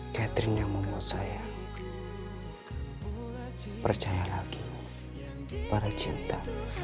catherine yang membuat saya percaya lagi pada cinta